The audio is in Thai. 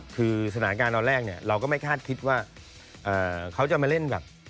คือสถานการณ์ตอนแรกเนี่ยเราก็ไม่คาดคิดว่าเขาจะมาเล่นแบบ